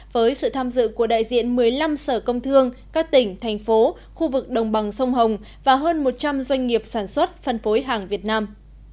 với sự tham dự của đại diện một mươi năm sở công thương các tỉnh thành phố khu vực đồng bằng sông hồng và hơn một trăm linh doanh nghiệp sản xuất phân phối hàng việt nam